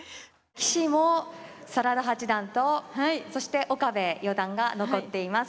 棋士も真田八段とそして岡部四段が残っています。